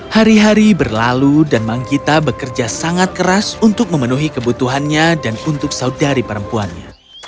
hari hari berlalu dan manggita bekerja sangat keras untuk memenuhi kebutuhannya dan untuk saudari perempuannya